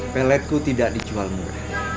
peletku tidak dijual murah